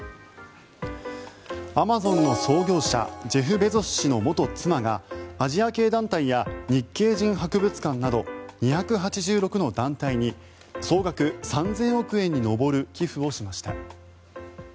アマゾンの創業者ジェフ・ベゾス氏の元妻がアジア系団体や日系人博物館など２８６の団体に総額３０００億円に上る寄付をしました。